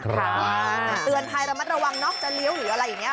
เตือนภัยระมัดระวังนอกจะเลี้ยวหรืออะไรอย่างนี้